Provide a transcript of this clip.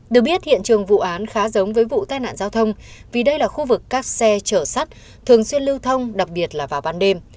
được biết hiện trường vụ án khá giống với vụ tai nạn giao thông vì đây là khu vực các xe chở sắt thường xuyên lưu thông đặc biệt là vào ban đêm